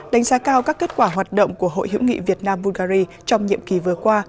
đánh giá cao các kết quả hoạt động của hội hữu nghị việt nam bulgari trong nhiệm kỳ vừa qua